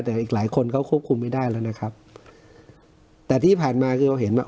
แต่อีกหลายคนเขาควบคุมไม่ได้แล้วนะครับแต่ที่ผ่านมาคือเราเห็นว่า